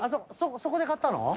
そこで買ったの？